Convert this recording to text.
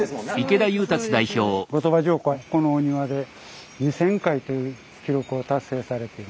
後鳥羽上皇はこのお庭で２，０００回という記録を達成されています。